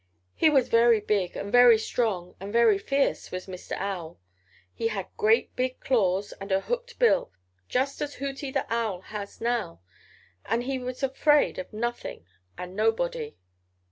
He was very big and very strong and very fierce, was Mr. Owl. He had great big claws and a hooked bill, just as Hooty the Owl has now, and he was afraid of nothing and nobody.